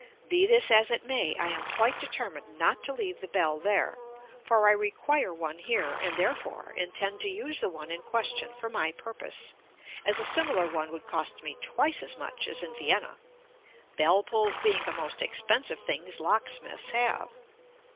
Be this as it may, I am quite determined not to leave the bell there, for I require one here, and therefore intend to use the one in question for my purpose, as a similar one would cost me twice as much as in Vienna, bell pulls being the most expensive things locksmiths have.